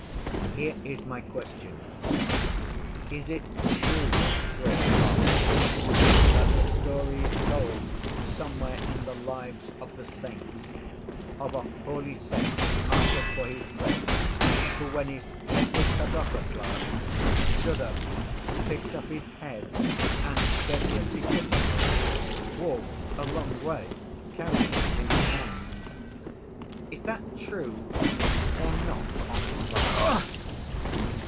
Here is my question: Is it true, great Father, that the story is told somewhere in the Lives of the Saints of a holy saint martyred for his faith who, when his head was cut off at last, stood up, picked up his head, and, 'courteously kissing it,' walked a long way, carrying it in his hands. Is that true or not, honored Father?"